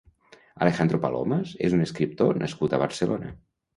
Alejandro Palomas és un escriptor nascut a Barcelona.